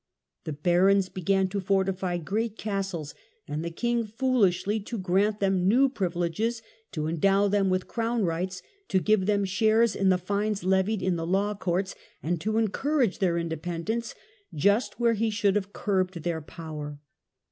The barons began to fortify great The aeirare of castles, and the king foolishly to grant them »« bishops, new privil^es, to endow them with crown rights, to give them shares in the fines levied in the law courts, and to encourage their independence just where he should have curbed their power.